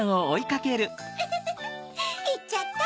フフフいっちゃった。